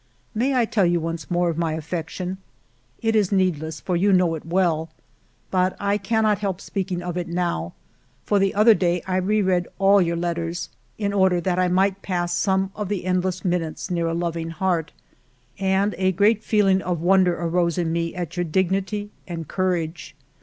" May I tell you once more of my affection ? It is needless, for you know it well ; but I cannot help speaking of it now, for the other day I re read all your letters, in order that I might pass some of the endless minutes near a loving heart, and a great feeling of wonder arose in me at your dignity and courage.